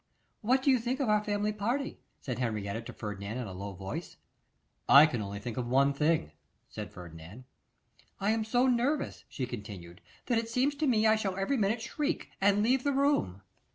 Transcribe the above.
'What do you think of our family party?' said Henrietta to Ferdinand, in a low voice. 'I can think only of one thing,' said Ferdinand. 'I am so nervous,' she continued, 'that it seems to me I shall every minute shriek, and leave the room.